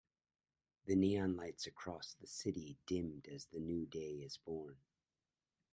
The neon lights across the city dimmed as a new day is born.